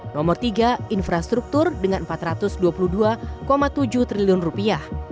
nomor tiga infrastruktur dengan empat ratus dua puluh dua tujuh triliun rupiah